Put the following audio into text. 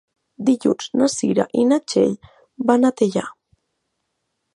Dilluns na Cira i na Txell van a Teià.